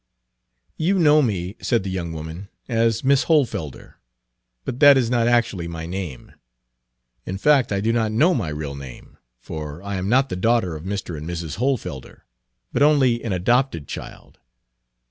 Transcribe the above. "You know me," said the young woman, "as Miss Hohlfelder; but that is not actually Page 45 my name. In fact I do not know my real name, for I am not the daughter of Mr. and Mrs. Hohlfelder, but only an adopted child.